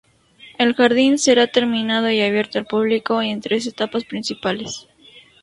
El jardín será terminado y abierto al público en tres etapas principales.